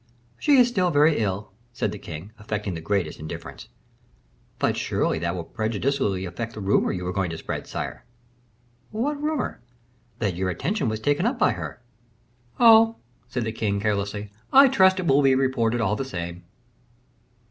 "She is still very ill," said the king, affecting the greatest indifference. "But surely that will prejudicially affect the rumor you were going to spread, sire?" "What rumor?" "That your attention was taken up by her." "Oh!" said the king, carelessly, "I trust it will be reported all the same."